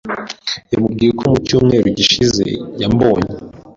Yamubwiye ko mu cyumweru gishize yambonye.